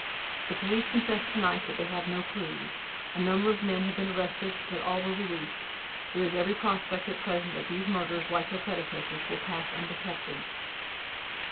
The police confess to night that they have no clues. A number of men have been arrested; but all were released. There is every prospect at present that these murders, like their predecessors, will pass undetected.